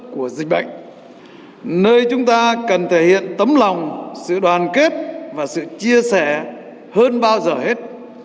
của dịch bệnh nơi chúng ta cần thể hiện tấm lòng sự đoàn kết và sự chia sẻ hơn bao giờ hết